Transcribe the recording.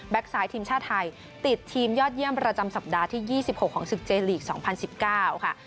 แบ็คไซด์ทีมชาติไทยติดทีมยอดเยี่ยมประจำสัปดาห์ที่ยี่สิบหกของสึกเจลีกส์สองพันสิบเก้าค่ะ